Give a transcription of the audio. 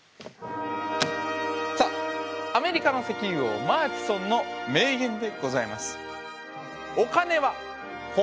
さあアメリカの石油王マーチソンの名言でございます。